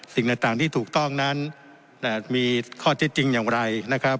สิ่งต่างที่ถูกต้องนั้นมีข้อเท็จจริงอย่างไรนะครับ